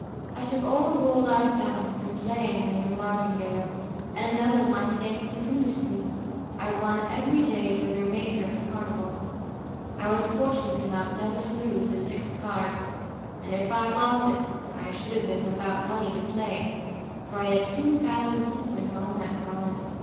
I took all the gold I found, and playing the martingale, and doubling my stakes continuously, I won every day during the remainder of the carnival. I was fortunate enough never to lose the sixth card, and, if I had lost it, I should have been without money to play, for I had two thousand sequins on that card.